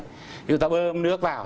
thì chúng ta bơm nước vào